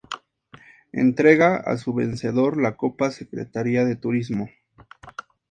Entrega a su vencedor la "Copa Secretaria de Turismo".